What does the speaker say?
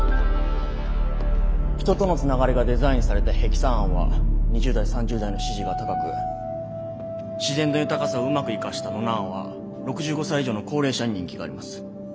人とのつながりがデザインされたヘキサ案は２０代３０代の支持が高く自然の豊かさをうまく生かしたノナ案は６５才以上の高齢者に人気があります。